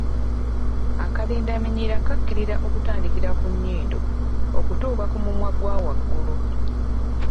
Akalindaminyira kakkirira okutandikira ku nnyindo, okutuuka ku mumwa qgwa waggulu.